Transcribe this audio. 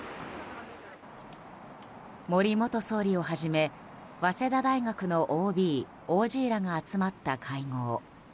森元総理をはじめ早稲田大学のＯＢ、ＯＧらが集まった会合。